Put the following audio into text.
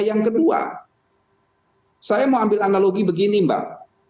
yang kedua saya mau ambil analogi begini mbak